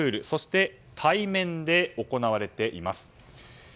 そして、対面で行われています。